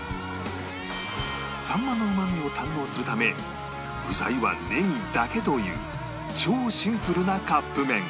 さんまのうまみを堪能するため具材はネギだけという超シンプルなカップ麺